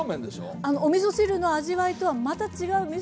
あのおみそ汁の味わいとはまた違うみその。